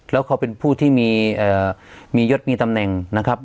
แล้วเขาเป็นผู้ที่มียศมีตำแหน่งนะครับ